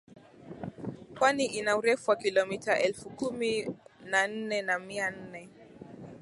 Pwani ina urefu wa kilomita elfu kumi na nne na mia nne